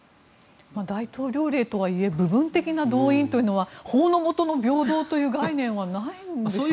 大統領令とはいえ部分的な動員というのは法のもとの平等という概念はないんでしょうか。